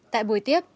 tại buổi tiếp